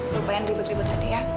gak pengen ribet ribetan ya